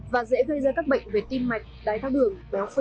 và dễ gây ra các bệnh về tim mạch đáy thác đường béo phỉ